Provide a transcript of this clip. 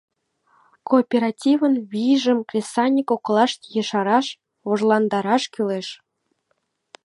Кооперативын вийжым кресаньык коклаште ешараш, вожландараш кӱлеш.